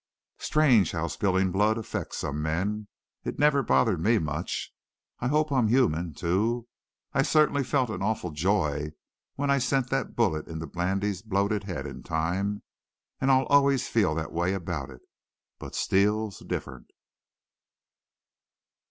"Strange how spilling blood affects some men! It never bothered me much. I hope I'm human, too. I certainly felt an awful joy when I sent that bullet into Blandy's bloated head in time. And I'll always feel that way about it. But Steele's different."